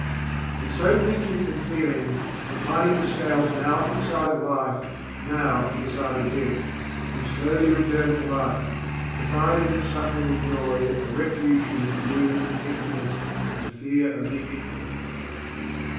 And so thinking and feeling, inclining the scales now to the side of life, now to the side of death, he slowly returned to life, to find in its suffering and joy a refuge from the gloom, emptiness and fear of the Infinite.